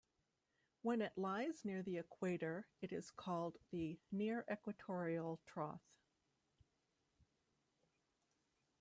When it lies near the Equator, it is called the near-equatorial trough.